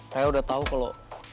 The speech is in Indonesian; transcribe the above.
raya udah tau kalo